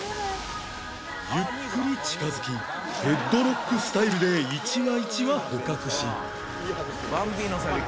ゆっくり近づきヘッドロックスタイルで１羽１羽捕獲し